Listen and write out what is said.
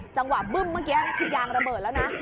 จังหวะบึ้มเมื่อกี้คือยางระเบิดแล้วนะ